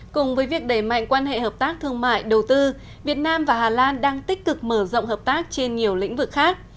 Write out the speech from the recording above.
cùng với việc đẩy mạnh quan hệ hợp tác thương mại đầu tư việt nam và hà lan đang tích cực mở rộng hợp tác trên nhiều lĩnh vực khác